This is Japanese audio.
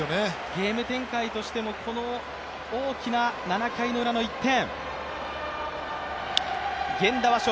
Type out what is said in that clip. ゲーム展開としても、大きな７回ウラの１点。